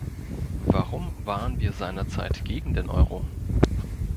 Warum waren wir seinerzeit gegen den Euro?